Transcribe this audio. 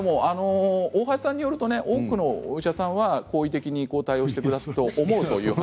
大橋さんによると多くのお医者さんは好意的に応対してくれると思うと。